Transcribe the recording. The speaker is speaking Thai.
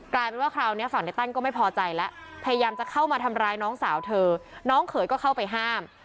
กลายเป็นว่าคราวนี้ฝั่งในตั้นก็ไม่พอใจแล้วพยายามจะเข้ามาทำร้ายน้องสาวเธอน้องเขยก็เข้าไปห้าม